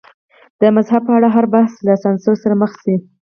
د مذهب په اړه هر بحث له سانسور سره مخ شي.